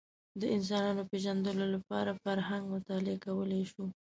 د انسانانو پېژندلو لپاره فرهنګ مطالعه کولی شو